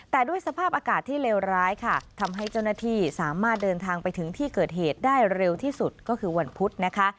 แต่ด้วยสภาพอากาศที่เลวร้ายค่ะทำให้เจ้าหน้าที่สามารถเดินทางไปถึงที่เกิดเหตุได้เร็วที่สุดก็คือวันพุธนะคะ